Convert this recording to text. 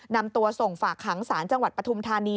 นำตัวส่งฝากขังศาลจังหวัดปฐุมธานี